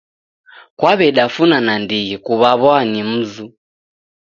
Kaw'edafuna nandighi kuw'aw'a ni muzu